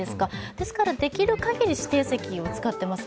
ですからできる限り指定席を使っています。